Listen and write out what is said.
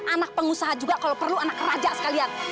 anak pengusaha juga kalau perlu anak raja sekalian